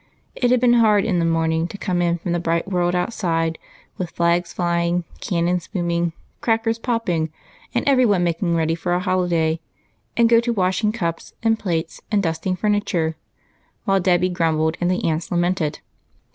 It had been hard in the morning to come in from the bright world outside, with flags flying, cannon booming, crackers popping, and every one making ready for a holiday, and go to washiiig cups, while Dolly grumbled and the aunts lamented.